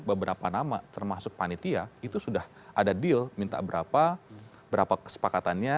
beberapa nama termasuk panitia itu sudah ada deal minta berapa berapa kesepakatannya